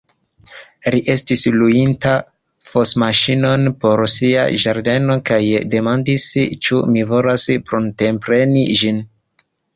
Li estis luinta fosmaŝinon por sia ĝardeno kaj demandis, ĉu mi volas pruntepreni ĝin.